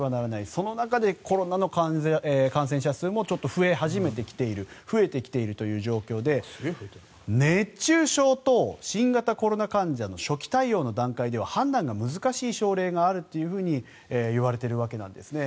その中でコロナの感染者数もちょっと増え始めてきている増えてきているという状況で熱中症と新型コロナ患者の初期対応の段階では判断が難しい症例があるといわれているわけなんですね。